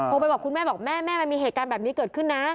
โทรไปบอกคุณแม่แม่มีเหตุการณ์แบบนี้เกิดขึ้นนะ